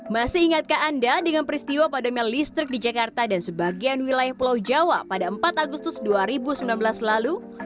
masih ingatkah anda dengan peristiwa padamnya listrik di jakarta dan sebagian wilayah pulau jawa pada empat agustus dua ribu sembilan belas lalu